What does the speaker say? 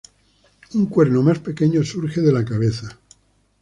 Un cuerno más pequeño surge de la cabeza.